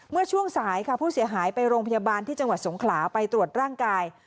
เมื่อช่วงสายค่ะผู้เสียหายไปโรงพยาบาลที่จังหวัดสงขลาไปตรวจร่างกาย